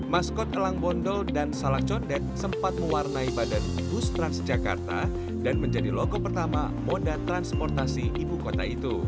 maskot elang bondol dan salak condet sempat mewarnai badan bus transjakarta dan menjadi logo pertama moda transportasi ibu kota itu